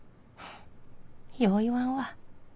よ言わんわ。